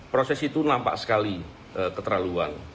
proses itu nampak sekali keterlaluan